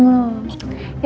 programs sudah berakhir